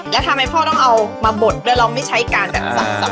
แล้วทำไมพ่อต้องเอามาบดด้วยเราไม่ใช้การแบบสั่ง